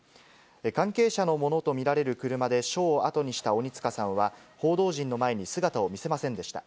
関係者のものと見られる車で署を後にした鬼束さんは、報道陣の前に姿を見せませんでした。